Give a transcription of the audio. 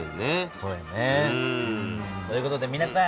そうやね。という事でみなさん